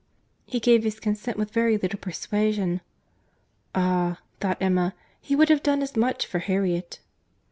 —He gave his consent with very little persuasion." "Ah!" thought Emma, "he would have done as much for Harriet."